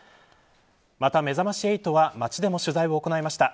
また、めざまし８は街でも取材を行いました。